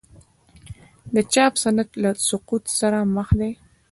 د چاپ صنعت له سقوط سره مخ دی؟